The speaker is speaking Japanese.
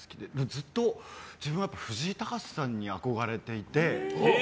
ずっと自分は藤井隆さんに憧れていて。